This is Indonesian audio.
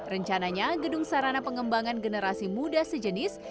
rencananya gedung sarana pengembangan generasi muda sejenis